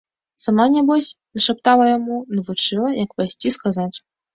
Сама, нябось, нашаптала яму, навучыла, як пайсці сказаць.